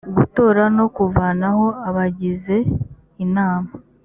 gutora no kuvanaho abagize inama